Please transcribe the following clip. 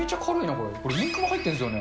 これインクも入ってるんですよね。